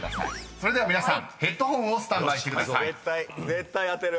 ［それでは皆さんヘッドホンをスタンバイしてください］絶対当てる。